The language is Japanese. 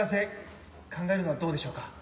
考えるのはどうでしょうか。